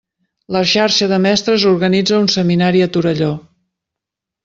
La xarxa de mestres organitza un seminari a Torelló.